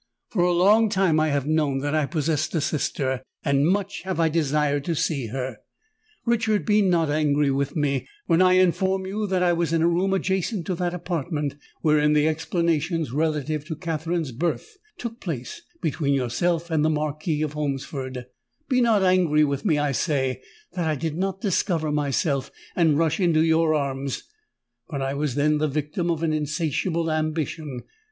"For a long time I have known that I possessed a sister—and much have I desired to see her. Richard, be not angry with me when I inform you that I was in a room adjacent to that apartment wherein the explanations relative to Katherine's birth took place between yourself and the Marquis of Holmesford;—be not angry with me, I say, that I did not discover myself, and rush into your arms,—but I was then the victim of an insatiable ambition!